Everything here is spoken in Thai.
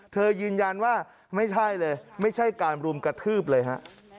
ยืนยันว่าไม่ใช่เลยไม่ใช่การรุมกระทืบเลยฮะ